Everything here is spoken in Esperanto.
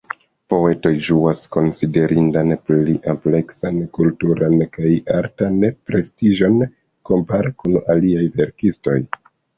Poetoj ĝuas konsiderindan pli ampleksan kulturan kaj artan prestiĝon kompare kun aliaj verkistoj.